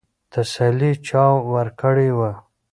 تسلي چا ورکړې وه؟